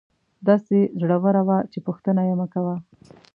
داسې زړوره وه چې پوښتنه یې مکوه.